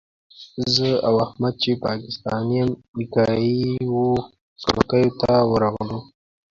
زه او احمد چې پاکستاني امریکایي وو کړکیو ته ورغلو.